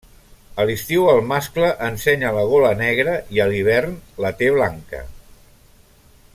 A l'estiu, el mascle ensenya la gola negra i a l'hivern la té blanca.